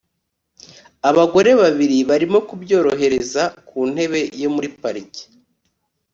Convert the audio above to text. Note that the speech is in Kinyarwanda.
abagore babiri barimo kubyorohereza ku ntebe yo muri parike